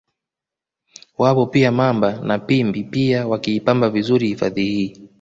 Wapo pia Mamba na Pimbi pia wakiipamba vizuri hifadhi hii